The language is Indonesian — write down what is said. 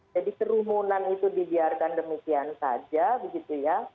jadi kerumunan itu dibiarkan demikian saja begitu ya